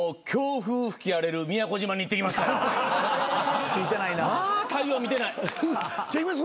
まあ太陽見てない。